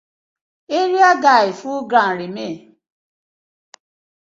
Area guyz full ground remain.